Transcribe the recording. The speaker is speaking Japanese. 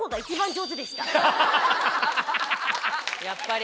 やっぱり。